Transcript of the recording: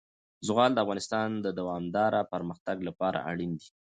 زغال د افغانستان د دوامداره پرمختګ لپاره اړین دي.